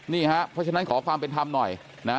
นี่ฮะเพราะฉะนั้นขอความเป็นธรรมหน่อยนะ